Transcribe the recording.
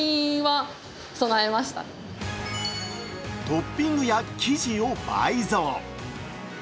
トッピングや生地を倍増。